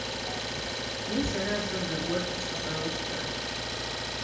Мис аращ сэ зэгуэр къысщыщӀауэ щытар.